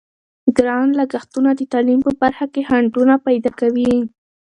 ګران لګښتونه د تعلیم په برخه کې خنډونه پیدا کوي.